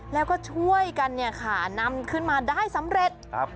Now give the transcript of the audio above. แล้วก็ช่วยกันนำขึ้นมาได้สำเร็จ